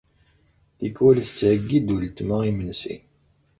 Tikwal tettheyyi-d uletma imensi.